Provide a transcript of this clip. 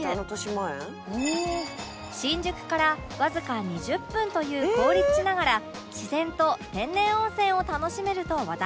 新宿からわずか２０分という好立地ながら自然と天然温泉を楽しめると話題の施設